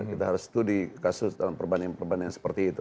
kita harus studi kasus dalam perbandingan perbandingan seperti itu